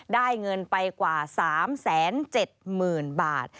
ได้เงินไปกว่า๓๗๐๐๐บาท